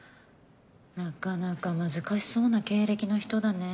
なかなか難しそうな経歴の人だね。